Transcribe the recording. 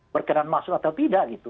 berkenan masuk atau tidak gitu